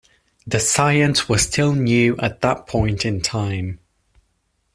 The science was still new at that point in time.